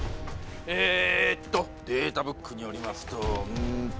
えっとデータブックによりますとうんと。